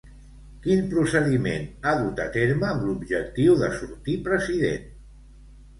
Quin procediment ha dut a terme amb l'objectiu de sortir president?